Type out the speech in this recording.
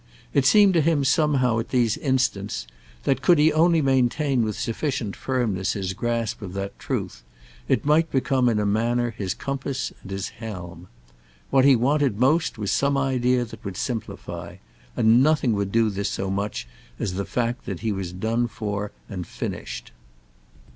It seemed to him somehow at these instants that, could he only maintain with sufficient firmness his grasp of that truth, it might become in a manner his compass and his helm. What he wanted most was some idea that would simplify, and nothing would do this so much as the fact that he was done for and finished.